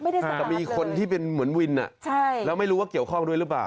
แต่มีคนที่เป็นเหมือนวินแล้วไม่รู้ว่าเกี่ยวข้องด้วยหรือเปล่า